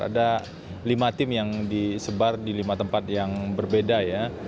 ada lima tim yang disebar di lima tempat yang berbeda ya